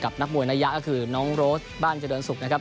นักมวยนายะก็คือน้องโรสบ้านเจริญศุกร์นะครับ